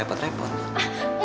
pas tengo itu